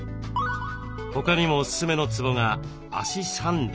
他にもおすすめのツボが「足三里」。